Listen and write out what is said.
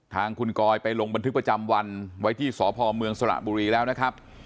ทางคุณกอยไปลงบันทึกประจำวันไว้ที่สพเมืองสระบุรีแล้วนะครับ